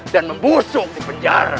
dan membusung di penjara